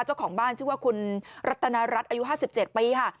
เจ้าของบ้านชื่อว่าคุณรัตนารัฐอายุ๕๗ปีค่ะ